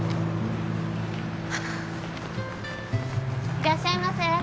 いらっしゃいませ。